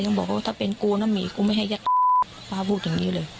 เยลละหลังมีบอกว่าเหมือนหล่อน